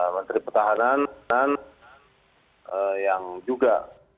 menteri pertahanan yang juga